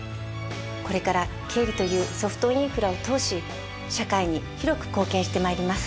これから経理というソフトインフラを通し社会に広く貢献して参ります。